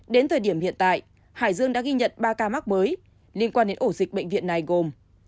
đến thời điểm hiện tại hải dương đã ghi nhận ba ca mắc mới liên quan đến ổ dịch bệnh viện này gồm